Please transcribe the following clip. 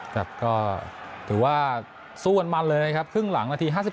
แล้วก็ถือว่าสู้วันมาด้วยครับเหรื่องหลังนาที๑๙๕๘